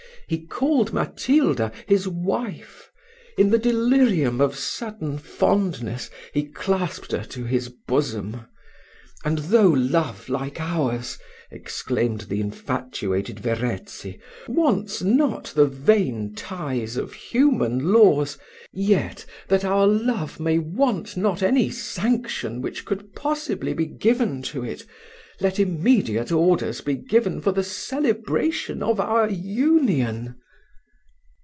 He called Matilda his wife in the delirium of sudden fondness he clasped her to his bosom "and though love like ours," exclaimed the infatuated Verezzi, "wants not the vain ties of human laws, yet, that our love may want not any sanction which could possibly be given to it, let immediate orders be given for the celebration of our union."